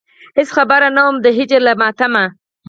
هېڅ خبر نه وم د هجر له ماتمه.